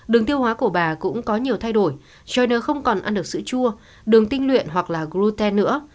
đường tiêu hóa của bà cũng có nhiều thay đổi joyner không còn ăn được sữa chua đường tinh luyện hoặc gluten nữa